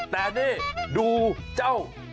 แต่นี่ดูเจ้า